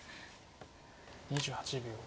２８秒。